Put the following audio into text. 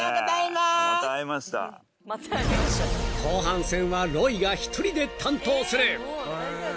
［後半戦はロイが１人で担当する］